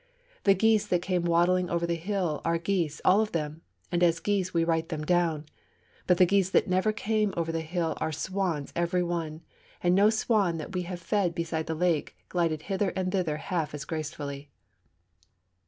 The geese that came waddling over the hill are geese, all of them, and as geese we write them down; but the geese that never came over the hill are swans every one, and no swans that we have fed beside the lake glided hither and thither half as gracefully.